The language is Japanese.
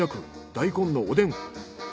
大根のおでん。